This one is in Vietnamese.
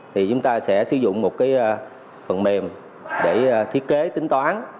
thì chúng ta sẽ sử dụng một cái phần mềm để thiết kế tính toán